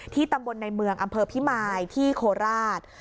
ตำบลในเมืองอำเภอพิมายที่โคราช